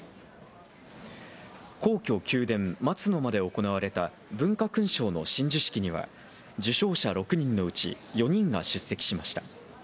皇居・宮殿松の間で行われた、文化勲章の親授式には、受章者６人のうち４人が出席しました。